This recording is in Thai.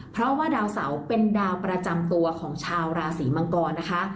เพราะว่าดาวเสาเป็นดาวประจำตัวของชาวราศีมังกรนะคะ